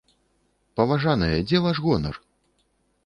Паважаныя, дзе ваш гонар?